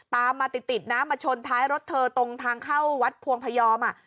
ตามมาติดนะมาชนท้ายรถเธอตรงทางเข้าวัดพวงพยอม